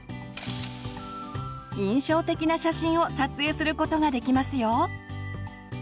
印象的な写真を撮影することができますよ！